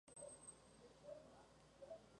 Contiene unos grandes almacenes Harvey Nichols.